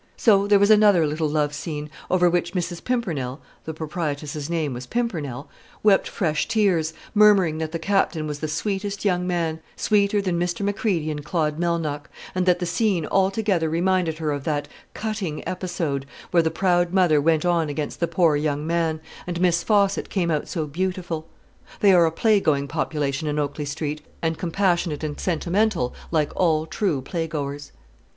So there was another little love scene, over which Mrs. Pimpernel, the proprietress's name was Pimpernel wept fresh tears, murmuring that the Capting was the sweetest young man, sweeter than Mr. Macready in Claude Melnock; and that the scene altogether reminded her of that "cutting" episode where the proud mother went on against the pore young man, and Miss Faucit came out so beautiful. They are a playgoing population in Oakley Street, and compassionate and sentimental like all true playgoers.